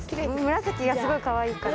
紫がすごいかわいいから。